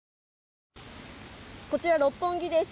こちら六本木です。